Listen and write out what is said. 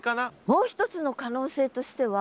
もう一つの可能性としては。